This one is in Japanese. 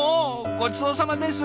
ごちそうさまです。